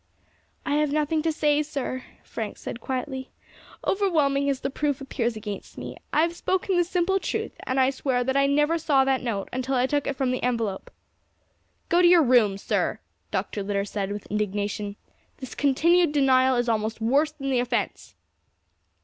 "I have nothing to say, sir," Frank said quietly; "overwhelming as the proof appears against me, I have spoken the simple truth, and I swear that I never saw that note until I took it from the envelope." "Go to your room, sir!" Dr. Litter said, with indignation, "this continued denial is almost worse than the offence."